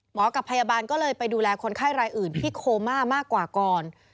กับพยาบาลก็เลยไปดูแลคนไข้รายอื่นที่โคม่ามากกว่าก่อน